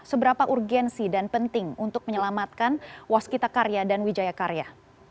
seberapa urgensi dan penting untuk menyelamatkan waskita karya dan wijaya karya